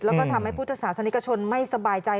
แล้วก็ทำให้พุทธศาสนิกชนไม่สบายใจ